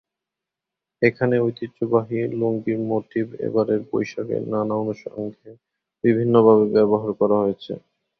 এখানে ঐতিহ্যবাহী লুঙ্গির মোটিভ এবারের বৈশাখের নানা অনুষঙ্গে বিভিন্নভাবে ব্যবহার করা হয়েছে।